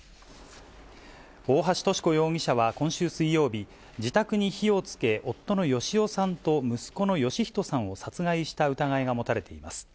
大橋とし子容疑者は今週水曜日、自宅に火をつけ、夫の芳男さんと息子の芳人さんを殺害した疑いが持たれています。